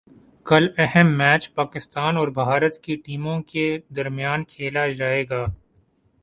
کل اہم میچ پاکستان اور بھارت کی ٹیموں کے درمیان کھیلا جائے گا